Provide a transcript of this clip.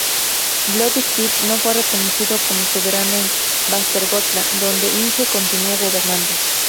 Blot-Sven no fue reconocido como soberano en Västergötland, donde Inge continuó gobernando.